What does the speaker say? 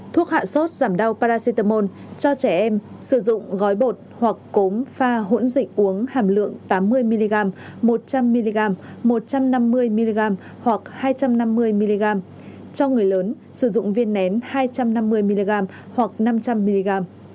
thuốc hạ sốt giảm đau paracetamol cho trẻ em sử dụng gói bột hoặc cốm pha hỗn dịch uống hàm lượng tám mươi mg một trăm linh mg một trăm năm mươi mg hoặc hai trăm năm mươi mg cho người lớn sử dụng viên nén hai trăm năm mươi mg hoặc năm trăm linh mg